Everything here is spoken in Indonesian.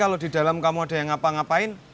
kalau di dalam kamu ada yang ngapa ngapain